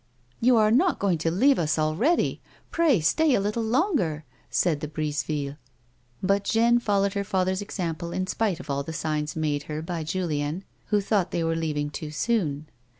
"You are not going to leave us already? Pray, star a little longer," said the Brisevilles. But Jeanne followed her father's example in spite of all the signs made her by Julien, who thought they were leav ing too soon.